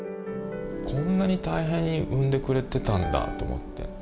こんなに大変に産んでくれてたんだと思って。